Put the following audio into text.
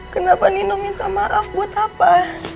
kenapa nino minta maaf buat apa